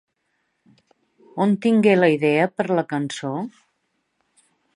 On tingué la idea per la cançó?